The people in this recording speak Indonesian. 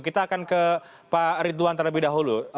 kita akan ke pak ridwan terlebih dahulu